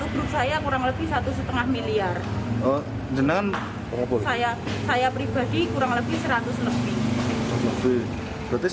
kerugian satu grup saya kurang lebih satu lima miliar